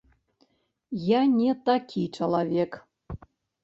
Я не такі чалавек.